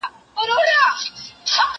نه د عقل يې خبر د چا منله